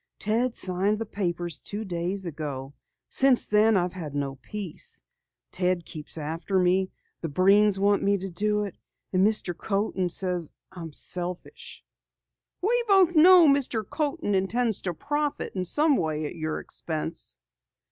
Ted signed the papers two days ago. Since then I've had no peace. Ted keeps after me, the Breens want me to do it, and Mr. Coaten says I am selfish." "We both know Mr. Coaten intends to profit in some way at your expense."